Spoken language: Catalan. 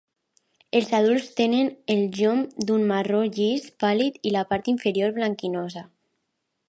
Els adults tenen el llom d'un marró llis pàl·lid i la part inferior blanquinosa.